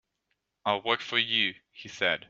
"I'll work for you," he said.